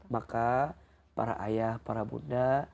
maka para ayah para bunda